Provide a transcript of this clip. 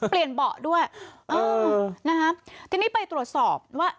เบาะด้วยเออนะฮะทีนี้ไปตรวจสอบว่า